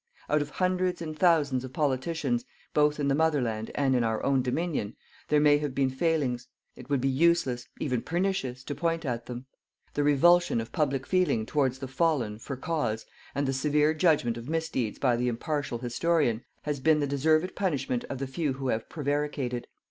Out of hundreds and thousands of politicians, both in the Motherland and in our own Dominion, there may have been failings. It would be useless, even pernicious, to point at them. The revulsion of public feeling towards the fallen for cause, and the severe judgment of misdeeds by the impartial historian, has been the deserved punishment of the few who have prevaricated.